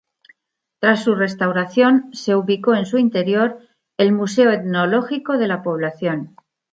Tras su restauración se ubicó en su interior el museo etnológico de la población.